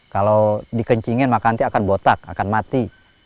kalau dikencingin maka nanti akan botak akan mati